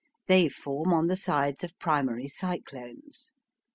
They form on the sides of primary cyclones.